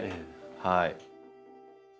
はい。